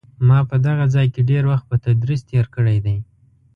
ما په دغه ځای کې ډېر وخت په تدریس تېر کړی دی.